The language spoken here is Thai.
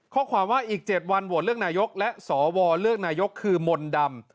ข้อความว่าอีก๗วันโหวตเลือกนายกและสวเลือกนายกคือมนต์ดำ